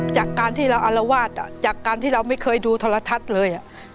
จากการที่เราอารวาสจากการที่เราไม่เคยดูโทรทัศน์เลย